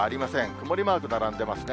曇りマーク並んでますね。